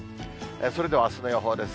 それではあすの予報です。